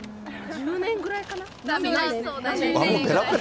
１０年ぐらいかな。